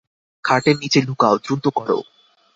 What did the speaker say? খাটের নিচে লুকাও, দ্রুত করো।